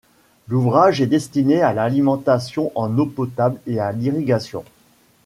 L'ouvrage est destiné à l'alimentation en eau potable et à l'irrigation.